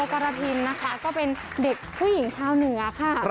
ตัวกรปินนะคะดกผู้หญิงชาวเหนือค่ะ